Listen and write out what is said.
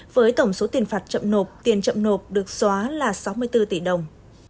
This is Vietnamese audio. với tổng số tiền phạt chậm nộp tiền chậm nộp được xóa là sáu mươi bốn tỷ đồng